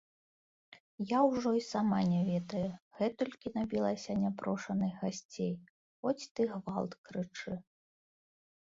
Я ўжо і сама не ведаю, гэтулькі набілася няпрошаных гасцей, хоць ты гвалт крычы.